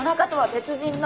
別人の！？